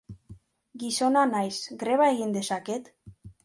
Gizona naiz, greba egin dezaket?